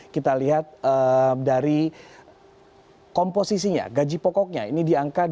kita lihat dari komposisinya gaji pokoknya ini di angka dua